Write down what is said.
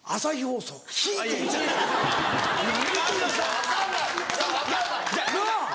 ・分かんない・なぁ。